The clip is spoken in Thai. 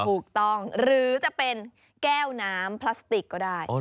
หรือจะเป็นแก้วน้ำพลาสติกก็ได้